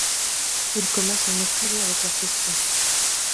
Ils commencent à me saouler avec leurs questions.